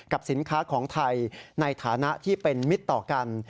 สินค้าของไทยในฐานะที่เป็นมิตรต่อกัน